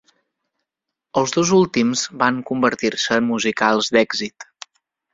Els dos últims van convertir-se en musicals d'èxit.